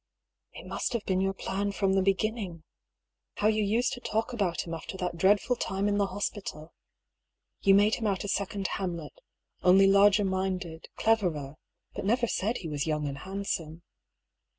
It must have been your plan from the beginning. How you used to talk about him after that dreadful time in the hospital ! You made him out a second " Hamlet," only larger minded, cleverer ; but never said he was young and handsome.